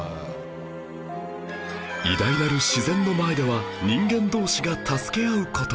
偉大なる自然の前では人間同士が助け合う事